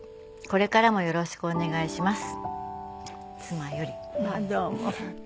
こちらこそよろしくお願い致します。